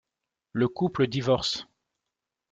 Le couple divorce.